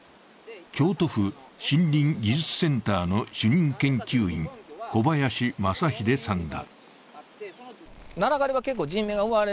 京都府森林技術センターの主任研究員、小林正秀さんだ。